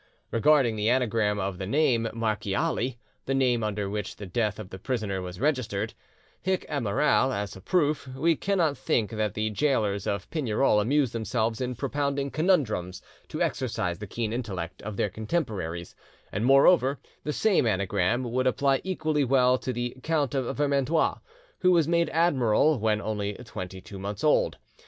Regarding the anagram of the name Marchiali (the name under which the death of the prisoner was registered), 'hic amiral', as a proof, we cannot think that the gaolers of Pignerol amused themselves in propounding conundrums to exercise the keen intellect of their contemporaries; and moreover the same anagram would apply equally well to the Count of Vermandois, who was made admiral when only twenty two months old.